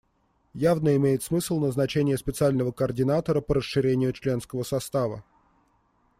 Явно имеет смысл назначение специального координатора по расширению членского состава.